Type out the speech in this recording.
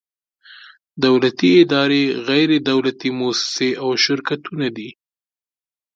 دولتي ادارې، غیر دولتي مؤسسې او شرکتونه دي.